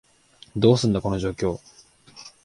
どうすんだ、この状況？